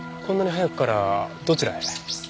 こんなに早くからどちらへ？